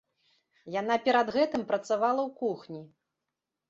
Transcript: Яна перад гэтым працавала ў кухні.